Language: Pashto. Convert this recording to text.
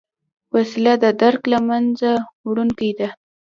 وسله د درک له منځه وړونکې ده